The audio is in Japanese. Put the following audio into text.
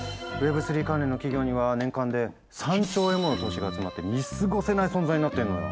３関連の企業には年間で３兆円もの投資が集まって見過ごせない存在になってんのよ。